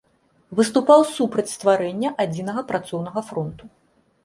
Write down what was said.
Выступаў супраць стварэння адзінага працоўнага фронту.